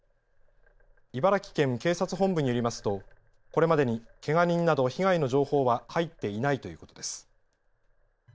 茨城県警察本部によりますとこれまでにけが人など被害の情報は入っていないということです。